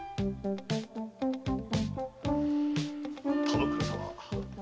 田之倉様！